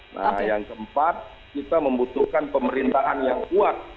nah yang keempat kita membutuhkan pemerintahan yang kuat